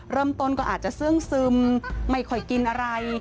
เริ่มต้นก็อาจจะเสื่องซึมไม่ค่อยกินอะไร